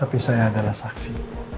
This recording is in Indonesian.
tapi saya adalah saksi